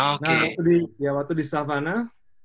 oke nah waktu di savannah